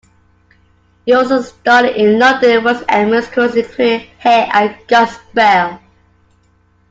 He also starred in London West End musicals including "Hair" and "Godspell".